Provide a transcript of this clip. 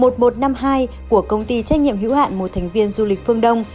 công ty trách nhiệm hữu hạn một thành viên du lịch phương đông